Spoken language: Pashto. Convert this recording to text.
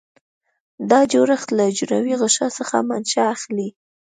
دا جوړښت له حجروي غشا څخه منشأ اخلي.